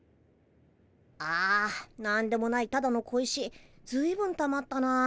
あなんでもないただの小石ずいぶんたまったなあ。